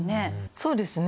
そうですね。